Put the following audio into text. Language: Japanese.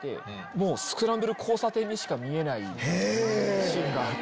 もうスクランブル交差点にしか見えないシーンがあって。